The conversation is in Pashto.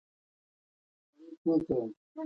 د صداقت وینا د رحمت نښه ده.